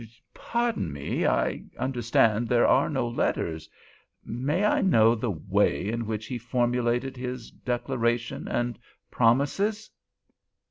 "Pardon me—I understand there are no letters; may I know the way in which he formulated his declaration and promises?"